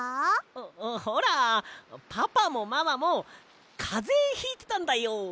ほほらパパもママもかぜひいてたんだよ。